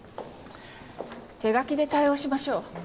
手書きで対応しましょう。